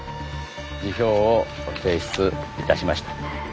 辞表を提出いたしました。